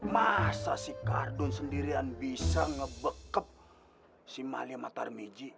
masa si kardun sendirian bisa ngebekep si malia matarmidji